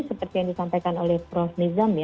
seperti yang disampaikan oleh prof nizam ya